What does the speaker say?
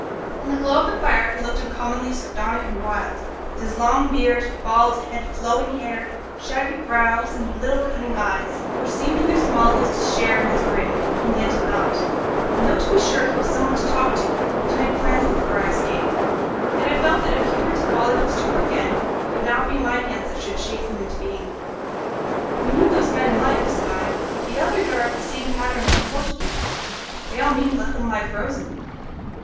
In the glow of the fire he looked uncommonly sardonic and wild, with his long beard, bald head, flowing hair, shaggy brows, and little cunning eyes, which seemed in their smallness to share in his grin, and yet did not; and though to be sure he was some one to talk to and to make plans with for our escape, yet I felt that if he were to fall into a stupor again it would not be my hands that should chafe him into being. "You knew those men in life," said I. "If the others are of the same pattern as the Portuguese, by all means let them lie frozen."